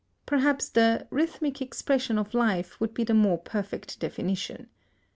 Perhaps the "rhythmic expression of life" would be the more perfect definition.